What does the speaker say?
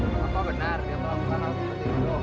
bapak benar dia melakukan hal yang tersebut